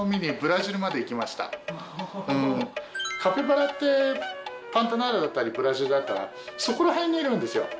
カピバラってパンタナールだったりブラジルだったらそこら辺にいるんですよ。